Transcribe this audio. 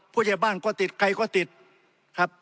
ผู้ใหญ่บ้านก็ติดใครก็ติดครับ